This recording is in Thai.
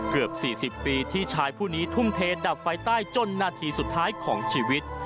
เกือบ๔๐ปีที่ชายผู้นี้ทุ่มเทดับไฟใต้จนนาทีสุดท้ายของชีวิต